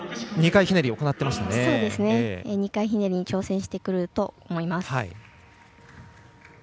２回ひねりに挑戦してくると思います。